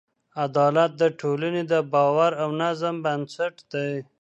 عدالت د ټولنې د باور او نظم بنسټ دی.